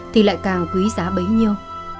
thì lại càng quý giá bấy nhiêu